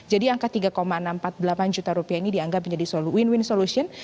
jadi angka tiga enam juta rupiah ini dianggap menjadi win win solution